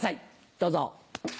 どうぞ。